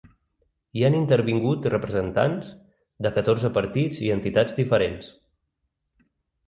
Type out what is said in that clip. Hi han intervingut representants de catorze partits i entitats diferents.